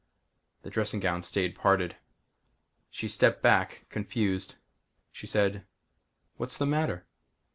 The dressing gown stayed parted. She stepped back, confused. She said, "What's the matter?